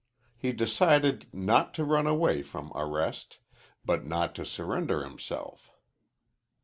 He decided not to run away from arrest, but not to surrender himself.